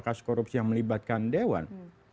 kasus korupsi yang melibatkan dewan